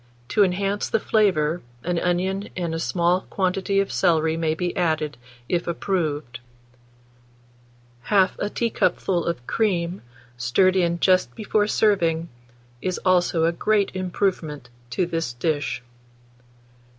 To enhance the flavour, an onion and a small quantity of celery may be added, if approved; 1/2 a teacupful of cream, stirred in just before serving, is also a great improvement to this dish.